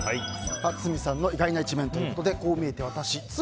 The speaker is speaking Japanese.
堤さんの意外な一面ということでこう見えてワタシ。